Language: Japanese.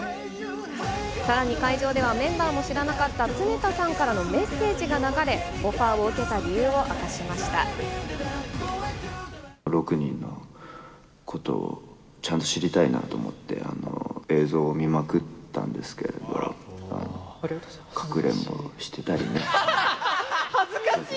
さらに会場では、メンバーも知らなかった常田さんからのメッセージが流れ、オファーを受けた６人のことをちゃんと知りたいなと思って、映像を見まくったんですけど、恥ずかしい。